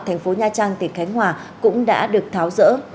thành phố nha trang tỉnh khánh hòa cũng đã được tháo rỡ